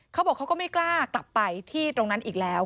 เขาบอกเขาก็ไม่กล้ากลับไปที่ตรงนั้นอีกแล้ว